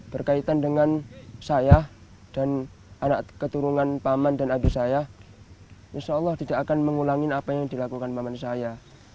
berkaitan dengan saya dan anak keturunan paman dan adik saya insya allah tidak akan mengulangi apa yang dilakukan paman saya